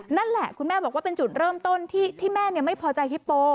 นั่นแหละคุณแม่บอกว่าเป็นจุดเริ่มต้นที่แม่ไม่พอใจฮิปโป